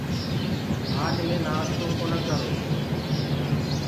آج مينٚ نآستو ڪونآ ڪرو۔